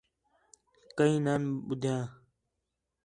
کئیں نان ٻدھیان